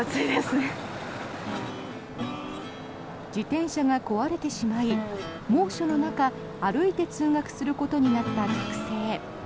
自転車が壊れてしまい猛暑の中歩いて通学することになった学生。